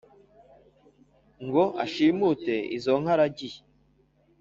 Ngo ashimute izo nka aragiye